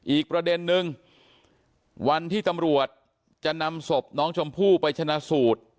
อีกประเด็นนึงวันที่ตำรวจจะนำศพน้องชมพู่ไปชนะสูตร